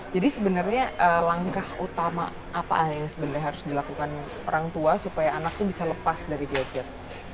jadi sebenarnya langkah utama apa yang sebenarnya harus dilakukan orang tua supaya anak tuh bisa lepas dari gadget